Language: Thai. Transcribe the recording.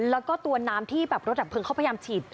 แล้วก็ตัวน้ำที่แบบรถดับเพลิงเขาพยายามฉีด